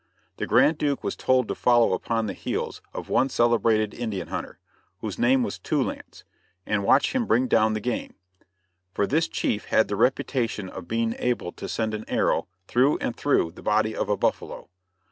The Grand Duke was told to follow upon the heels of one celebrated Indian hunter, whose name was "Two Lance," and watch him bring down the game; for this chief had the reputation of being able to send an arrow through and through the body of a buffalo.